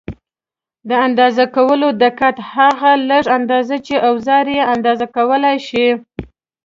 د اندازه کولو دقت: هغه لږه اندازه چې اوزار یې اندازه کولای شي.